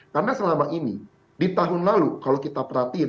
karena selama ini di tahun lalu kalau kita perhatiin